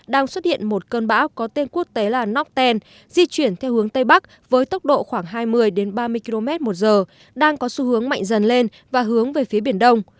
đang xuất hiện một cơn bão có tên quốc tế là nokten di chuyển theo hướng tây bắc với tốc độ khoảng hai mươi ba mươi km một giờ đang có xu hướng mạnh dần lên và hướng về phía biển đông